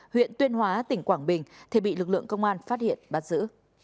huyện tuyên hóa tỉnh quảng bình thì bị lực lượng công an phát hiện bắt giữ